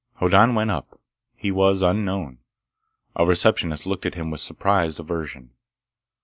Hoddan went up. He was unknown. A receptionist looked at him with surprised aversion.